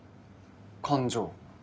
感情。